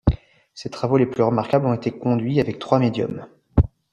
Ses travaux les plus remarquables ont été conduits avec trois médiums.